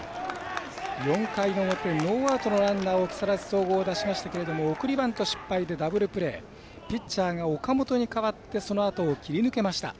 ４回の表ノーアウトのランナーを木更津総合、出しましたけれどピッチャーが岡本に代わってそのあとを切り抜けました。